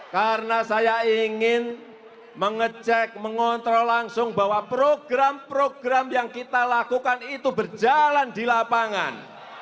karena saya ingin mengecek mengontrol langsung bahwa program program yang kita lakukan itu berjalan di lapangan